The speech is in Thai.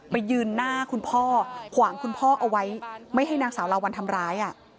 ไปยืนหน้าคุณพ่อขวางคุณพ่อเอาไว้ไม่ให้นางสาวลาวัลทำร้าย